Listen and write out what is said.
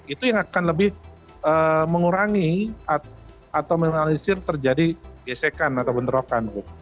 itu yang akan lebih mengurangi atau meminimalisir terjadi gesekan atau bentrokan